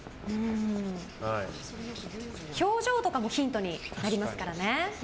表情とかもヒントになりますからね。